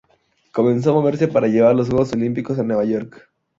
Comenzó a moverse para llevar los Juegos Olímpicos a Nueva York.